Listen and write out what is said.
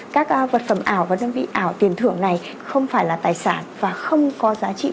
các vật phẩm ảo và đơn vị ảo tiền thưởng này không phải là tài sản và không có giá trị